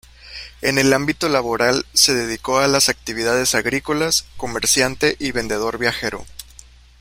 En el ámbito laboral, se dedicó a las actividades agrícolas, comerciante y vendedor viajero.